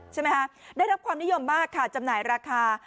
ใช่ไหมคะได้รับความนิยมมากค่ะจำหน่ายราคา